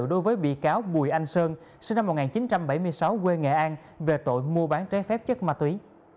đối với bị cáo bùi anh sơn sinh năm một nghìn chín trăm bảy mươi sáu quê nghệ an về tội mua bán trái phép chất ma túy